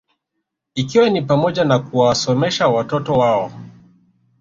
Ikiwa ni pamoja na kuwasomesha watoto wao